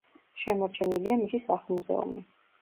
შემორჩენილია მისი სახლ-მუზეუმი.